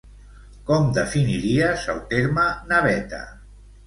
Com definiries el terme naveta?